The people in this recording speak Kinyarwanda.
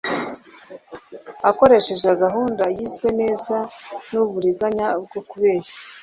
akoresheje gahunda yizwe neza n’uburiganya bwo kubeshya.